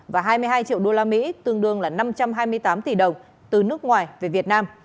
và hai mươi hai triệu đô la mỹ tương đương năm trăm hai mươi tám tỷ đồng từ nước ngoài về việt nam